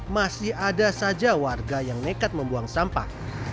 masih ada saja warga yang nekat membuang sampah